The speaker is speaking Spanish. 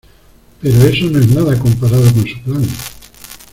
pero eso no es nada comparado con su plan.